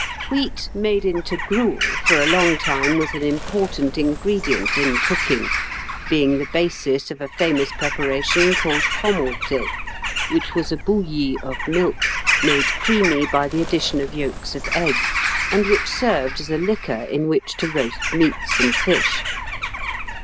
Wheat made into gruel for a long time was an important ingredient in cooking, being the basis of a famous preparation called fromentée, which was a bouillie of milk, made creamy by the addition of yolks of eggs, and which served as a liquor in which to roast meats and fish.